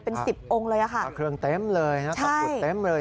เป็นสิบองค์เลยอ่ะค่ะพระเครื่องเต็มเลยนะตะกุดเต็มเลย